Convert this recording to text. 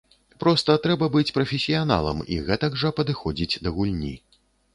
Проста трэба быць прафесіяналам і гэтак жа падыходзіць да гульні.